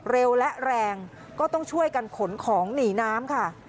เร็วและแรงก็ต้องช่วยกันขนของหนีน้ำค่ะ